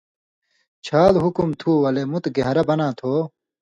چھال حُکُم تھُو ولے مُت گھین٘رہ بناں تھُو